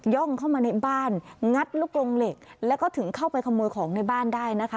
่องเข้ามาในบ้านงัดลูกลงเหล็กแล้วก็ถึงเข้าไปขโมยของในบ้านได้นะคะ